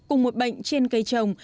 cùng một bệnh trên cây trồng